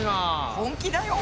本気だよ。